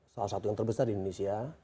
salah satu yang terbesar di indonesia